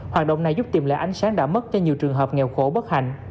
hoạt động này giúp tìm lại ánh sáng đã mất cho nhiều trường hợp nghèo khổ bất hạnh